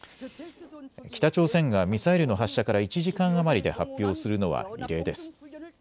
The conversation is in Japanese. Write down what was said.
北朝鮮がミサイルの発射から１時間余りで発表するのは異例です。